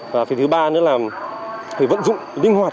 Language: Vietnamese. và thứ ba là phải vận dụng linh hoạt